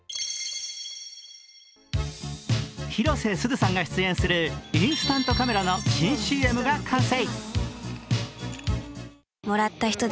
広瀬すずさんが出演するインスタントカメラの新ＣＭが完成。